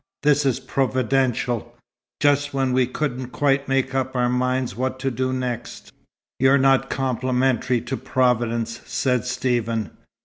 This is Providential just when we couldn't quite make up our minds what to do next." "You're not complimentary to Providence," said Stephen.